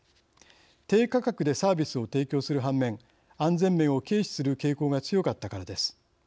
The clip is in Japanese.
低価格でサービスを提供する反面安全面を軽視する傾向が強かったからです。